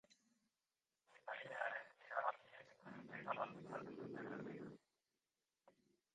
Epailearen erabakiek neurketa baldintzatu dute berriro.